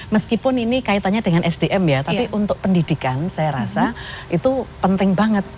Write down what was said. meskipun ini kaitannya dengan sdm ya tapi untuk pendidikan saya rasa itu penting banget